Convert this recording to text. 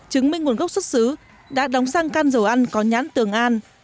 chứng minh nguồn gốc xuất xứ đã đóng sang can dầu ăn có nhãn tường an